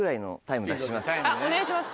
お願いします